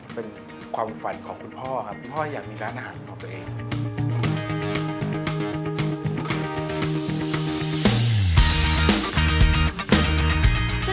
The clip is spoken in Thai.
เป็นความฝันของคุณพ่อครับคุณพ่ออยากมีร้านอาหารของตัวเอง